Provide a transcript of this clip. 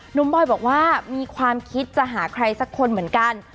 บอยบอกว่ามีความคิดจะหาใครสักคนเหมือนกัน